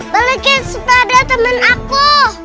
balikin sepeda temen aku